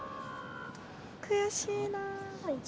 悔しいな。